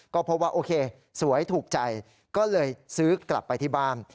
ก็พบว่าโอเคสวยถูกใจก็เลยซื้อกลับไปที่บ้าน